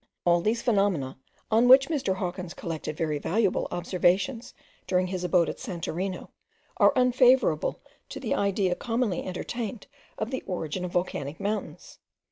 All these phenomena, on which Mr. Hawkins collected very valuable observations during his abode at Santorino, are unfavourable to the idea commonly entertained of the origin of volcanic mountains.